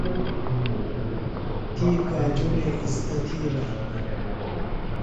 تی کاجُنے اِزدہ تِھیلہ ہِنہ۔